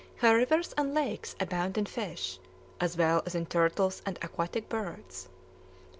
Her rivers and lakes abound in fish, as well as in turtles and aquatic birds.